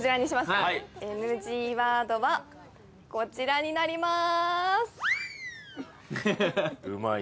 ＮＧワードはこちらになります。